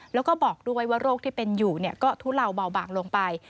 แล้วก็บอกด้วยว่าโรคที่เป็นอยู่ก็ทุเลาเบาบางลงไป